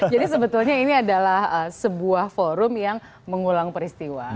jadi sebetulnya ini adalah sebuah forum yang mengulang peristiwa